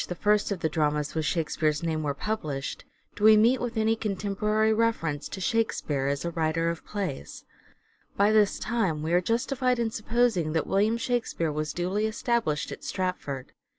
the first of the dramas with " Shakespeare's" name were published, do we meet with any contemporary reference to '' Shakespeare " as a writer of plays ; by this time we are justified in supposing that William Shakspere was duly established at Stratford.